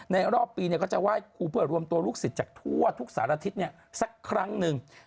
รอบปีก็จะไหว้ครูเพื่อรวมตัวลูกศิษย์จากทั่วทุกสารทิศสักครั้งหนึ่ง